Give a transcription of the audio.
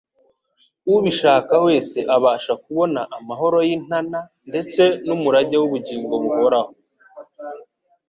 "Ubishaka wese" abasha kubona amahoro y'Intana ndetse n'umurage w'ubugingo buhoraho.